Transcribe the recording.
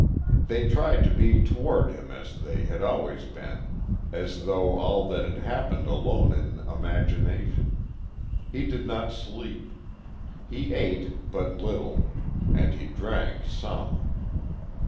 They tried to be toward him as they had always been as though all that had happened alone in imagination.... He did not sleep; he ate but little; and he drank, some.